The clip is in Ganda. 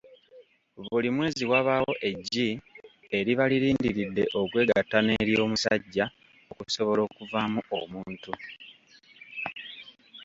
Buli mwezi wabaawo eggi eriba lirindiridde okwegatta ne ery'omusajja okusobola okuvaamu omuntu.